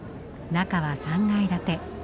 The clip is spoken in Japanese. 中は３階建て。